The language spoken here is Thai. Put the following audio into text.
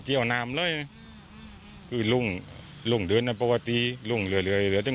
เดี๋ยวนำเรื่อยล่งดื่อยมาดีล่งเหลือยเหลือยจมลงมาเรื่อย